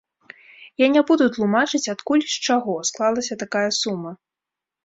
Я не буду тлумачыць, адкуль і з чаго, склалася такая сума.